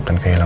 au tak bisa